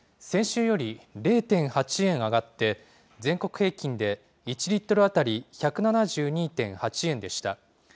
先週より０．８円上がって全国平均で１リットル当たり１７２．８円でした。